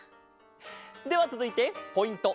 ではつづいてポイント